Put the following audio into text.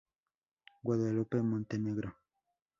D. J. Guadalupe Montenegro.